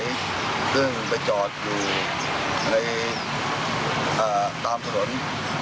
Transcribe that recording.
ไปจอดไปจอดอยู่ใน